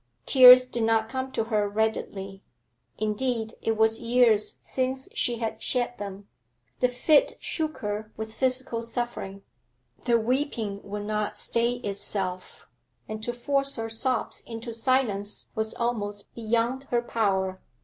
Tears did not come to her readily; indeed, it was years since she had shed them; the fit shook her with physical suffering. The weeping would not stay itself, and to force her sobs into silence was almost beyond her power.